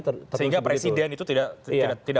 sehingga presiden itu tidak